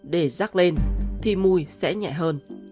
để rác lên thì mùi sẽ nhẹ hơn